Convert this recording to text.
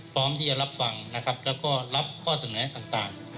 พร้อมที่จะรับฟังนะครับแล้วก็รับข้อเสนอต่าง